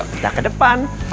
yuk jalan ke depan